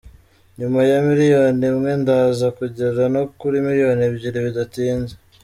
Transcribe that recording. Nyuma ya miliyoni imwe ndaza kugera no kuri miliyoni ebyiri bidatinze”.